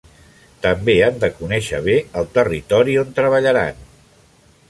També han de conèixer bé el territori on treballaran.